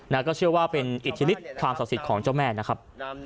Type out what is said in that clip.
แล้วก็เชื่อว่าเป็นอิทธิฤทธิความศักดิ์สิทธิ์ของเจ้าแม่นะครับ